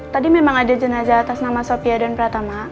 tadi memang ada jenazah atas nama sofia dan pratama